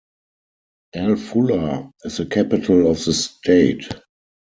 Al-Fulah is the capital of the state.